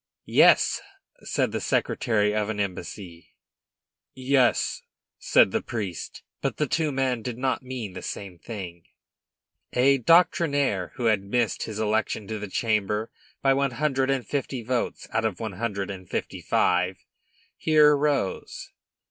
"Yes!" said the secretary of an embassy. "Yes!" said the priest. But the two men did not mean the same thing. A "doctrinaire," who had missed his election to the Chamber by one hundred and fifty votes out of one hundred and fifty five, here rose.